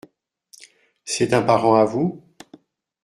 C’est un parent à vous ?